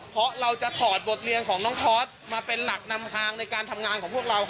เพราะเราจะถอดบทเรียนของน้องทอสมาเป็นหลักนำทางในการทำงานของพวกเรา